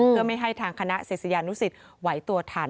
เพื่อไม่ให้ทางคณะศิษยานุสิตไหวตัวทัน